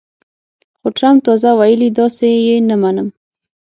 خو ټرمپ تازه ویلي، داسې یې نه منم